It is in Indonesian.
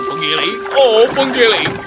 penggiling oh penggiling berikan aku garam